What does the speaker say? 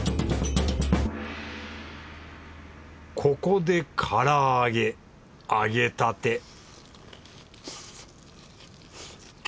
ここで唐揚げ揚げたて